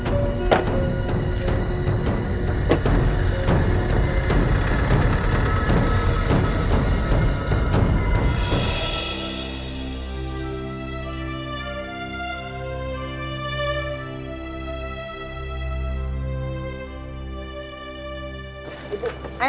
kau perhitung betul apa ini